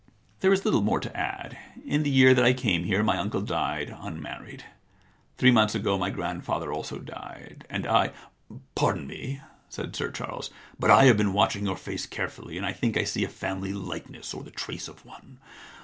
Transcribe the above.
* There is little more to srdd. In the year that I came here my uncle died unmarried. Three months ago my grandfather also died, and I '* Pardon me,' said Sir Charles, * but I have been watching your face carefully, and I think I see a family likeness or the trace of one.